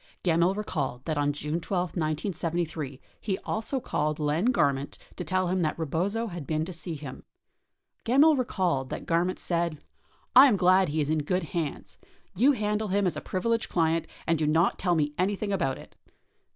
58 Gemmill recalled that on June 12, 1973, he also called Len Garment to tell him that Rebozo had been in to see him. Gemmill recalled that Garment said, "I am glad he is in good hands. You handle him as a privileged client and do not tell me anything about it.